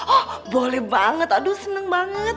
oh boleh banget aduh seneng banget